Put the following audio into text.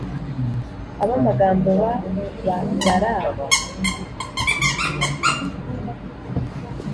ab’amagambo babagarambe